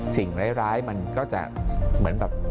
สิ่งร้ายมันก็จะเหมือนแบบ